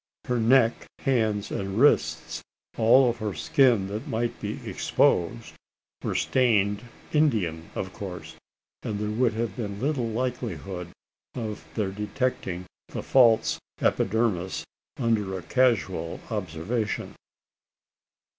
Her neck, hands, and wrists all of her skin that might be exposed were stained Indian of course; and there would have been little likelihood of their detecting the false epidermis under a casual observation.